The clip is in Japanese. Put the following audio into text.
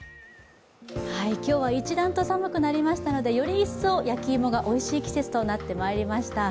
今日は一段と寒くなりましたのでより一層、焼き芋がおいしい季節となってまいりました。